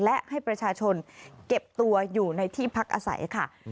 และให้ประชาชนเก็บตัวอยู่ในที่พักอาศัยค่ะ